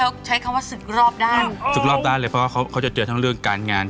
ใช้คำว่าศึกรอบด้านศึกรอบด้านเลยเพราะว่าเขาเขาจะเจอทั้งเรื่องการงาน